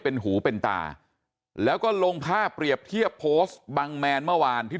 เป็นหูเป็นตาแล้วก็ลงภาพเปรียบเทียบโพสต์บังแมนเมื่อวานที่